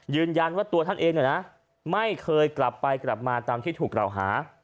ยืนยันว่าตัวท่านเองไม่เคยกลับไปกลับมาตามที่ถูกกล่าวหา